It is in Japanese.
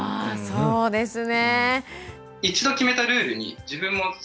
そうですね。